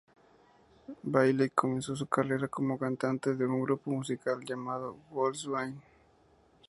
Bayley comenzó su carrera como cantante de un grupo musical llamado Wolfsbane.